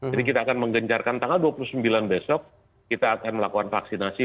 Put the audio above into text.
jadi kita akan menggencarkan tanggal dua puluh sembilan besok kita akan melakukan vaksinasi